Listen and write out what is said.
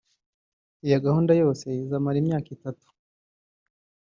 Iyo gahunda yose izamara imyaka itatu